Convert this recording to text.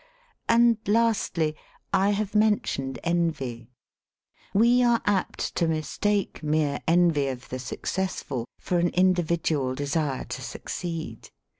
"And, lastly, I have mentioned envy. We are apt to mistake mere envy of the successful for an individual desire to succeed.